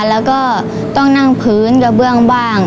แล้วก็ต้องนั่งพื้นกระเบื้องบ้าง